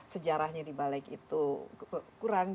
sejarahnya dibalik itu kurang